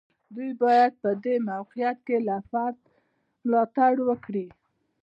دوی باید په دې موقعیت کې له فرد ملاتړ وکړي.